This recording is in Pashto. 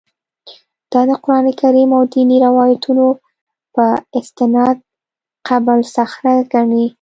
دا د قران کریم او دیني روایتونو په استناد قبه الصخره ګڼي.